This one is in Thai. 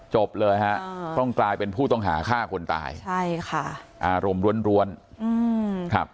จบเลยฮะต้องกลายเป็นผู้ต้องหาฆ่าคนตายใช่ค่ะอารมณ์ล้วนร้วนอืมครับ